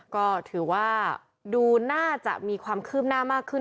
ก็ถือว่าดูน่าจะมีความคืบหน้ามากขึ้น